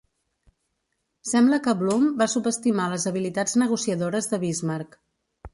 Sembla que Blome va subestimar les habilitats negociadores de Bismarck.